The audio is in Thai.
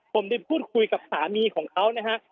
ผมได้พูดคุยกับสามีของเขานะฮะ